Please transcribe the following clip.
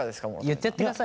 言ってやってください。